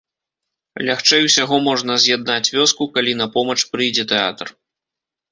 Лягчэй усяго можна з'яднаць вёску, калі на помач прыйдзе тэатр.